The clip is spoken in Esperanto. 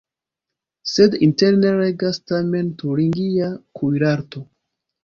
Sed interne regas tamen turingia kuirarto.